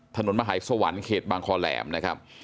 ถนนมหายสวรรค์เขตบางคอแหลมนะครับ